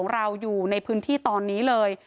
เราอยู่ในพื้นที่ตอนนี้เลย